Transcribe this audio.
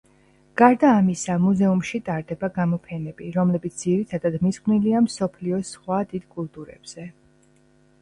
გარდა ამისა, მუზეუმში ტარდება გამოფენები, რომლებიც ძირითადად მიძღვნილია მსოფლიოს სხვა დიდ კულტურებზე.